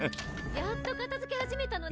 ・やっと片づけ始めたのね。